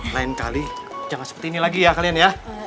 lain kali jangan seperti ini lagi ya kalian ya